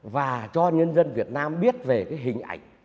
và cho nhân dân việt nam biết về cái hình ảnh